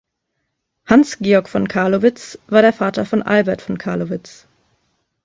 Hans Georg von Carlowitz war der Vater von Albert von Carlowitz.